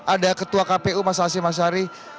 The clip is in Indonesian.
ada ketua kpu mas asyik mas sari